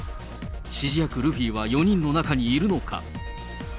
指示役、ルフィは４人の中にいるのか？